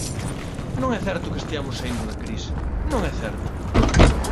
Non é certo que esteamos saíndo da crise, non é certo.